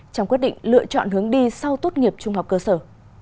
trong quyết định lựa chọn hướng đi sau tốt nghiệp trung học cơ sở